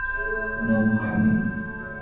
কোনো ভয় নেই।